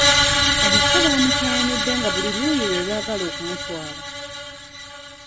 Omufu bamukaayanidde nga buli luuyi lwe lwagala okumutwala.